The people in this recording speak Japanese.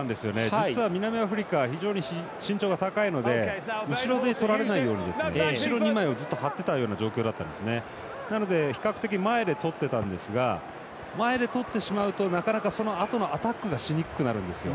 実は南アフリカ非常に身長が高いので後ろでとられないように後ろ２枚をずっと張ってたような状況なので比較的、前でとってたんですが前でとってしまうとなかなか、そのあとのアタックがしにくくなるんです。